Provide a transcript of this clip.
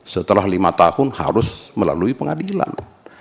setelah lima tahun harus melalui pengadilan